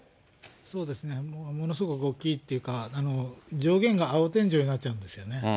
そうですね、ものすごい大きいっていうか、上限が青天井になっちゃうんですよね。